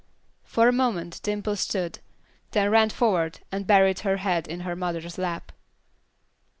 For a moment Dimple stood, then ran forward and buried her head in her mother's lap.